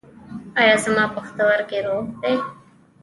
ایا زما پښتورګي روغ دي؟